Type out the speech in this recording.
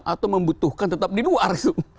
atau membutuhkan tetap di luar